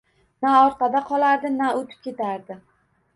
Na orqada qolardi na o‘tib ketardi.